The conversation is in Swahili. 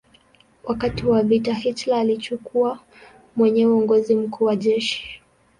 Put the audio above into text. Wakati wa vita Hitler alichukua mwenyewe uongozi mkuu wa jeshi.